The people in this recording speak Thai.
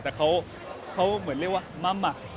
แต่เขาเหมือนเรียกว่ามัม